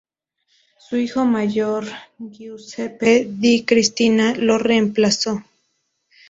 Su hijo mayor, Giuseppe Di Cristina lo reemplazó.